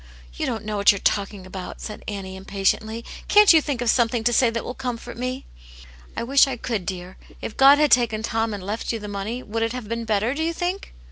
" You don*t know what you're talking about," said Annie, impatiently. " Can't you think of something to say that will comfort me ?"" I wish I could, dear. If God had taken Tom and left you the money, would it have been better, do you think